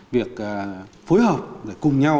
việc phối hợp cùng nhau